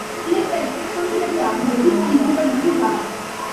L'effetto è sconcertante, difficile da giudicare.